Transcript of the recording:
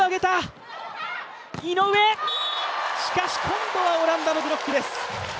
今度はオランダのブロックです。